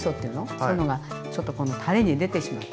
そういうのがちょっとこのたれに出てしまって。